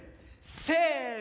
せの。